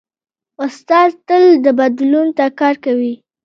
استاد تل بدلون ته کار کوي.